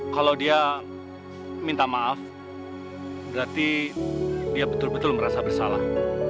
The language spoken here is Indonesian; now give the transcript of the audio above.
kalau dia minta maaf berarti dia betul betul merasa bersalah